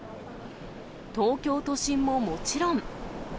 東京都心ももちろん。